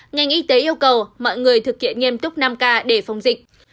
ngành y tế yêu cầu mọi người thực hiện nghiêm túc năm k để phòng dịch